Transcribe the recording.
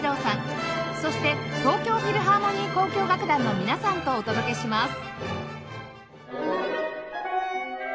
そして東京フィルハーモニー交響楽団の皆さんとお届けします